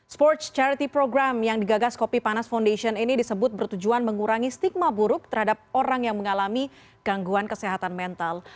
sports charity program yang digagas kopi panas foundation ini disebut bertujuan mengurangi stigma buruk terhadap orang yang mengalami gangguan kesehatan mental